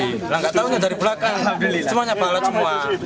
tidak tahu dari belakang semuanya balet semua